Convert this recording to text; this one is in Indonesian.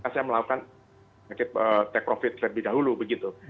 saya melakukan take profit lebih dahulu begitu